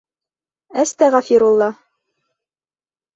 ӘСТӘҒӘФИРУЛЛА!